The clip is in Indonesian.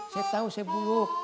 saya tahu saya buluk